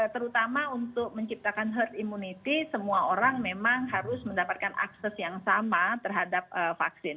terutama untuk menciptakan herd immunity semua orang memang harus mendapatkan akses yang sama terhadap vaksin